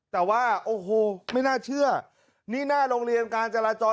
แต่ว่าโอ้โหไม่น่าเชื่อนี่หน้าโรงเรียนการจราจร